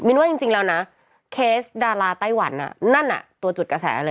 ว่าจริงแล้วนะเคสดาราไต้หวันนั่นตัวจุดกระแสเลย